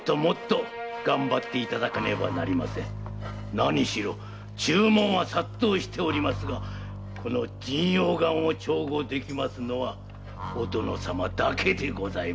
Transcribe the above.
何しろ注文は殺到しておりますがこの神陽丸を調合できますのはお殿様だけでございますから。